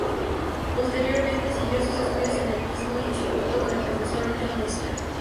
Posteriormente siguió sus estudios en el mismo instituto con el profesor John Lester.